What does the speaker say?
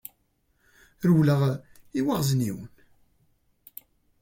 Rewleɣ i yiwaɣezniwen.